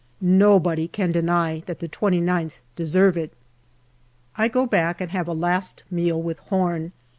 Nobody can deny that the 2Qth deserve it. I go back and have a last meal with Home.